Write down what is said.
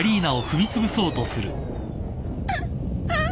あっああ。